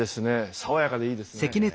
爽やかでいいですね。